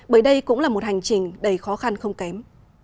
bởi đây cũng là một hành trình đầy khó khăn không kém